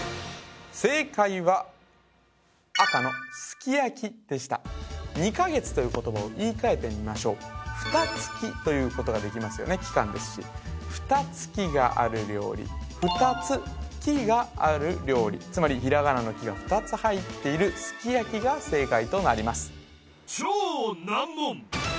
正解は赤のすき焼きでした２か月という言葉を言い換えてみましょう「ふたつき」と言うことができますよね期間ですし「ふたつき」がある料理ふたつ「き」がある料理つまりひらがなの「き」がふたつ入っているすき焼きが正解となります